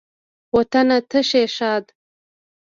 وطنه ته شي ښاد